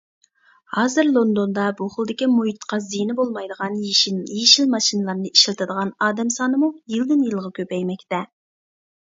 ھازىر لوندوندا بۇ خىلدىكى مۇھىتقا زىيىنى بولمايدىغان يېشىل ماشىنىلارنى ئىشلىتىدىغان ئادەم سانىمۇ يىلدىن يىلغا كۆپەيمەكتە.